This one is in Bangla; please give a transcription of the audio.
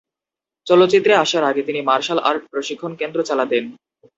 চলচ্চিত্রে আসার আগে তিনি মার্শাল আর্ট প্রশিক্ষণ কেন্দ্র চালাতেন।